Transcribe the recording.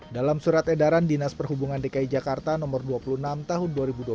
dalam surat edaran dinas perhubungan dki jakarta nomor dua puluh enam tahun dua ribu dua puluh